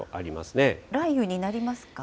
雷雨になりますか？